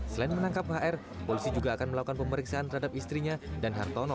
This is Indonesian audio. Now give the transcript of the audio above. selain menangkap hr polisi juga akan melakukan pemeriksaan terhadap istrinya dan hartono